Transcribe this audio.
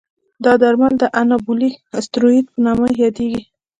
دا درمل د انابولیک استروئید په نامه یادېږي.